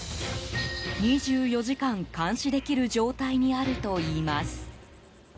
２４時間、監視できる状態にあるといいます。